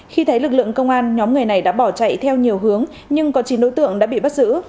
khi thấy lực lượng công an nhóm người này đã bỏ chạy theo nhiều hướng nhưng có chín đối tượng đã bị bắt giữ